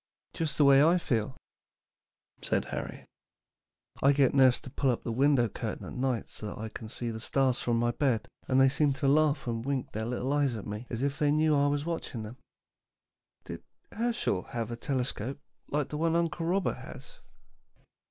"Just the way I feel," said Harry. "I get nurse to pull up the window curtain at night so that I can see the stars from my bed, and they seem to laugh and wink their little eyes at me as if they knew I was watching them. Did Herschel have a telescope like the one Uncle Robert has?"